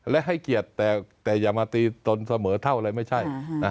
และให้เกียรติแต่อย่ามาตีตนเสมอเท่าเลยไม่ใช่